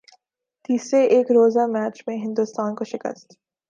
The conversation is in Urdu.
تیسرے ایک روزہ میچ میں ہندوستان کو شکست